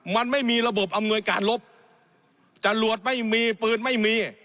มันไม่มีระบบอำนวยการลบจรวดไม่มีปืนไม่มี